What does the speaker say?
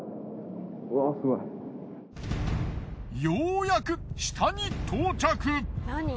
ようやく下に到着。